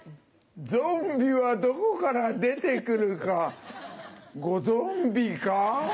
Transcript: ゾンビはどこから出て来るかごゾンビか？